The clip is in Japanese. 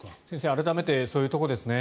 改めてそういうところですね。